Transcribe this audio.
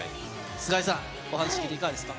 菅井さん、お話を聞いていかがですか？